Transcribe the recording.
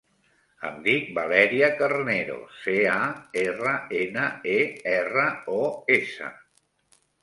Em dic Valèria Carneros: ce, a, erra, ena, e, erra, o, essa.